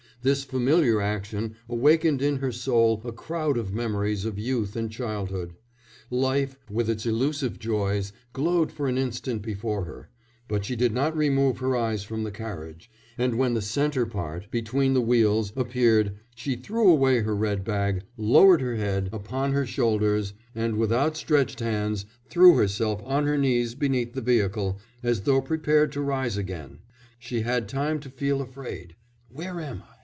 This familiar action awakened in her soul a crowd of memories of youth and childhood. Life, with its elusive joys, glowed for an instant before her, but she did not remove her eyes from the carriage, and when the centre part, between the wheels, appeared, she threw away her red bag, lowered her head upon her shoulders, and, with outstretched hands, threw herself on her knees beneath the vehicle, as though prepared to rise again. She had time to feel afraid. 'Where am I?